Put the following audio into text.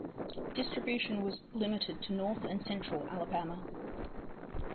Distribution was limited to north and central Alabama.